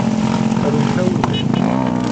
Arumt awennit.